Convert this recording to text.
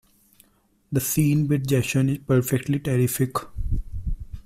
The scene with Jason is perfectly terrific.